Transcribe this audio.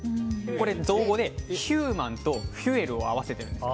これ造語で、ヒューマンとフュエルを合わせてるんです。